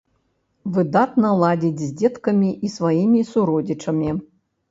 Выдатна ладзіць з дзеткамі і сваімі суродзічамі.